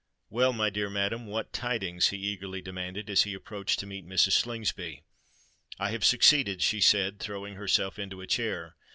"Well, my dear madam, what tidings?" he eagerly demanded, as he approached to meet Mrs. Slingsby. "I have succeeded," she said, throwing herself into a chair.